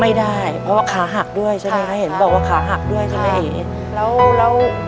ไม่ได้เพราะว่าขาหักด้วยใช่ไหมคะเห็นบอกว่าขาหักด้วยใช่ไหมเอแล้วแล้ว